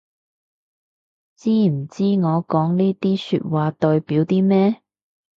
知唔知我講呢啲說話代表啲咩